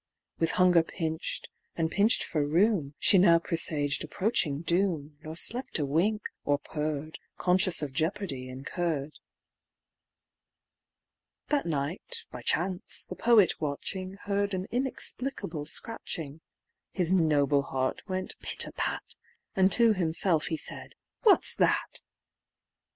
With hunger pinch'd, and pinch'd for room, She now presaged approaching doom, Nor slept a single wink, or purr'd, Conscious of jeopardy incurr'd. That night, by chance, the poet watching, Heard an inexplicable scratching; His noble heart went pit a pat, And to himself he said "What's that?"